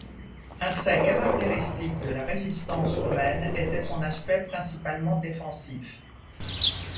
Un trait caractéristique de la résistance roumaine était son aspect principalement défensif.